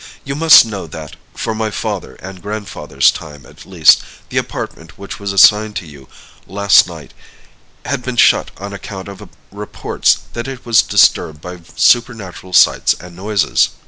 You must know that, for my father and grandfather's time at least, the apartment which was assigned to you last night had been shut on account of reports that it was disturbed by supernatural sights and noises.